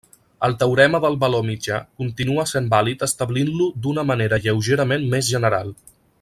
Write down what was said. El teorema del valor mitjà continua sent vàlid establint-lo d'una manera lleugerament més general.